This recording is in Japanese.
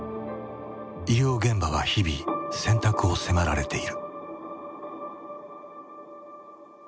医療現場は日々選択を迫られている。